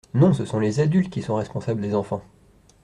Non, ce sont les adultes qui sont responsables des enfants.